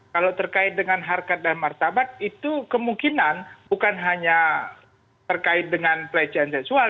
kalau terkait dengan harkat dan martabat itu kemungkinan bukan hanya terkait dengan pelecehan seksual